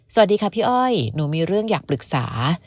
สวัสดีค่ะพี่อ้อยหนูมีเรื่องอยากปรึกษา